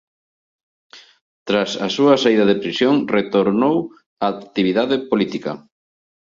Tras su salida de prisión retornó a la actividad política.